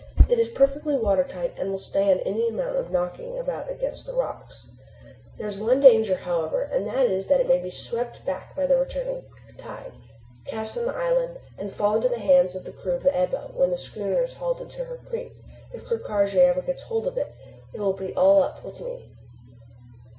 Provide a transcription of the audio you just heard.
It is perfectly watertight and will stand any amount of knocking about against the rocks. There is one danger, however, and that is, that it may be swept back by the returning tide, cast up on the island, and fall into the hands of the crew of the Ebba when the schooner is hauled into her creek. If Ker Karraje ever gets hold of it, it will be all up with me.